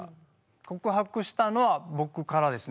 告白したのは僕からですね。